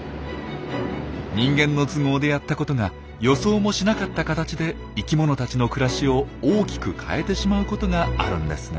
人間の都合でやったことが予想もしなかった形で生きものたちの暮らしを大きく変えてしまうことがあるんですね。